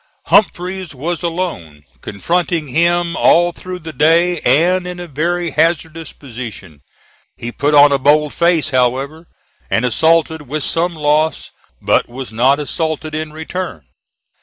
Humphreys was alone, confronting him all through the day, and in a very hazardous position. He put on a bold face, however, and assaulted with some loss, but was not assaulted in return.